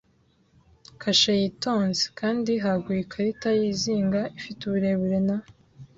kashe yitonze, kandi haguye ikarita yizinga, ifite uburebure na